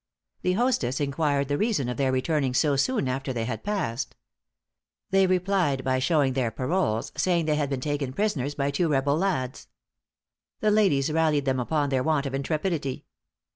The hostess inquired the reason of their returning so soon after they had passed. They replied by showing their paroles, saying they had been taken prisoners by two rebel lads. The ladies rallied them upon their want of intrepidity.